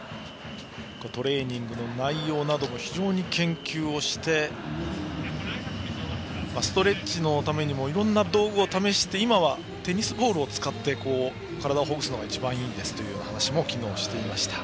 トレーニングの内容なども非常に研究をしてストレッチのためにもいろんな道具を試して今はテニスボールを使って体をほぐすのが一番いいんですという話も昨日、していました。